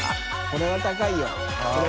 これは高い。